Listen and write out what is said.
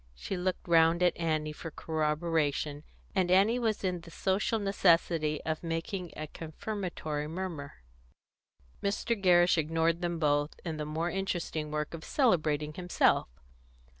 She looked round at Annie for corroboration, and Annie was in the social necessity of making a confirmatory murmur. Mr. Gerrish ignored them both in the more interesting work of celebrating himself.